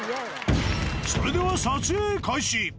それでは撮影開始。